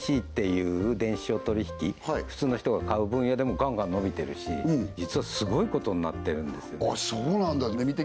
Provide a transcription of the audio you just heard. ＥＣっていう電子商取引普通の人が買う分野でもガンガン伸びてるし実はすごいことになってるんですよね